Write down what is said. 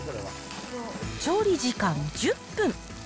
調理時間１０分。